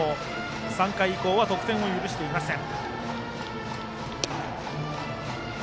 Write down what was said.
３回以降は得点を許していません。